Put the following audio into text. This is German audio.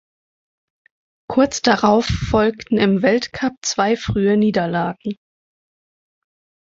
Kurz darauf folgten im Weltcup zwei frühe Niederlagen.